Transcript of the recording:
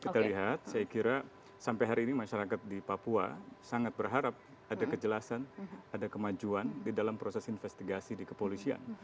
kita lihat saya kira sampai hari ini masyarakat di papua sangat berharap ada kejelasan ada kemajuan di dalam proses investigasi di kepolisian